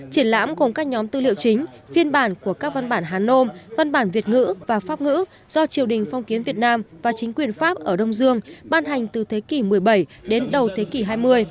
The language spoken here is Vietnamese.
triển lãm gồm các nhóm tư liệu chính phiên bản của các văn bản hàn nôm văn bản việt ngữ và pháp ngữ do triều đình phong kiến việt nam và chính quyền pháp ở đông dương ban hành từ thế kỷ một mươi bảy đến đầu thế kỷ hai mươi